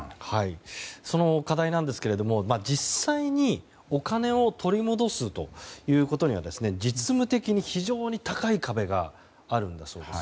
その課題ですが実際にお金を取り戻すということには実務的に非常に高い壁があるそうです。